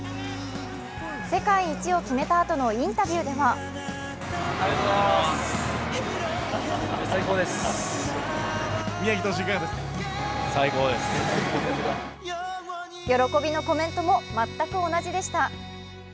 世界一を決めたあとのインタビューでは喜びのコメントも全く同じでした。